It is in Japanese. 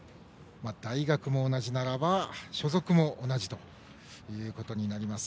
大学も同じならば所属も同じということになります。